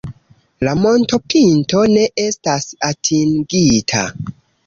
La montopinto ne estas atingita.